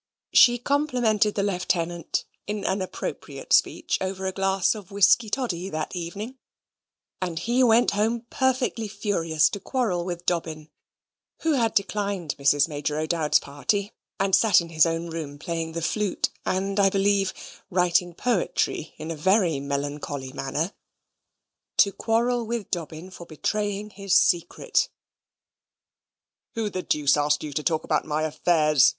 She complimented the Lieutenant in an appropriate speech over a glass of whisky toddy that evening, and he went home perfectly furious to quarrel with Dobbin (who had declined Mrs. Major O'Dowd's party, and sat in his own room playing the flute, and, I believe, writing poetry in a very melancholy manner) to quarrel with Dobbin for betraying his secret. "Who the deuce asked you to talk about my affairs?"